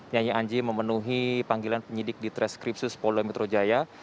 nyanyi anji memenuhi panggilan penyidik di treskripsus polda metro jaya